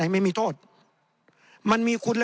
ในทางปฏิบัติมันไม่ได้